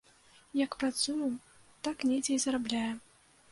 Як працуем, так недзе і зарабляем.